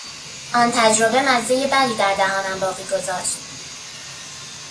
آن تجربه مزهی بدی دردهانم باقی گذاشت.